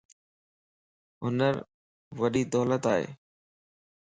ھنر وڏي دولت ائي.